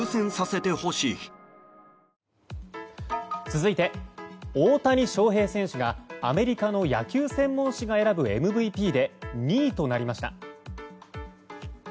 続いて大谷翔平選手がアメリカの野球専門誌が選ぶＭＶＰで２位となりました。